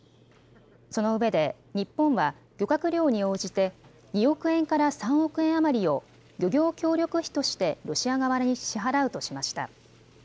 その上で、日本は漁獲量に応じて、２億円から３億円余りを漁業協力費としてロシア側に支払うとしました。